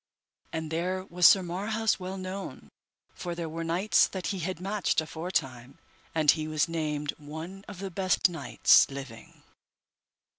And there was Sir Marhaus well known, for there were knights that he had matched aforetime, and he was named one of the best knights living.